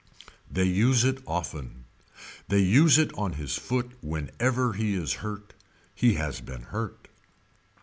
They use it often. They use it on his foot whenever he is hurt. He has been hurt.